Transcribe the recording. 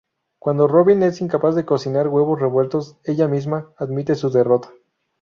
Cuando Robin es incapaz de cocinar huevos revueltos ella misma, admite su derrota.